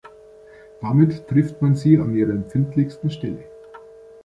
Damit trifft man sie an ihrer empfindlichsten Stelle.